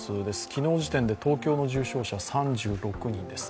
昨日時点で東京の重症者３６人です。